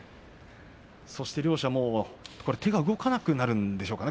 両者、手が動かなくなるんでしょうかね